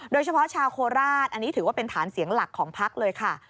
โดยเฉพาะชาวโคราชอันนี้ถือว่าเป็นฐานเสียงหลักของพักเลยค่ะ